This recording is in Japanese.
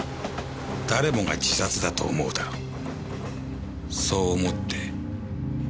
誰もが自殺だと思うだろうそう思って。